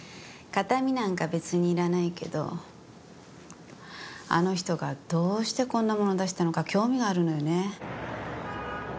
形見なんか別にいらないけどあの人がどうしてこんなもの出したのか興味があるのよね。